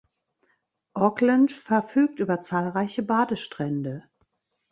Auckland verfügt über zahlreiche Badestrände.